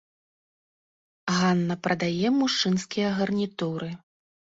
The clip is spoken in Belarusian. Ганна прадае мужчынскія гарнітуры.